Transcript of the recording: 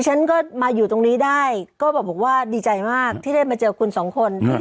ฉันก็มาอยู่ตรงนี้ได้ก็บอกว่าดีใจมากที่ได้มาเจอคุณสองคน